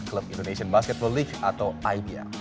klub indonesian basketball league atau iba